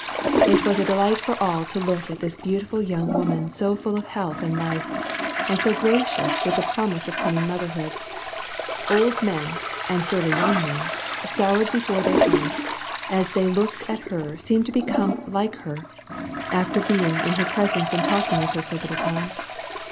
It was a delight for all to look .at this beautiful youug woman so full of health and life, and so gracious with the j'roi^ise of coming motherhood. Old men and surly young men, soured before their time, as they looked at her seemed ro become like her, after being in her presence and talking v^ith her for a little time.